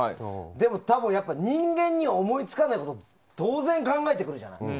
でも人間には思いつかないことを当然、考えてくるじゃない。